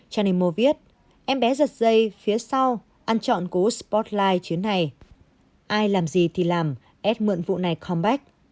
trang nemo viết em bé giật dây phía sau ăn chọn cố spotlight chiến này ai làm gì thì làm ad mượn vụ này comeback